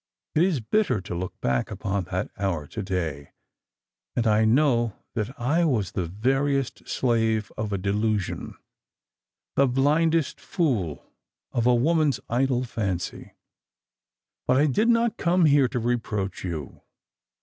It is bitter to look back upon that hour to day, an 1 know that I was the veriest slave of a delusion — the blindest fool of a woman's idle fancy. But I did not come here to reproach you.